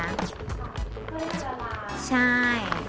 ไม่ค่อยจะร้อนใช่